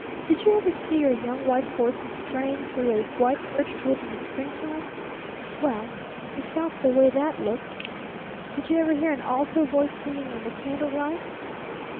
Did you ever see young white horses straying through a white birch wood in the springtime? Well, it felt the way that looks! Did you ever hear an alto voice singing in the candle light?